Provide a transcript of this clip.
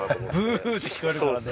「ブー」って聞こえるからね。